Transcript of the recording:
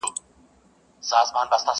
د هیلو تر مزاره مي اجل راته راغلی؛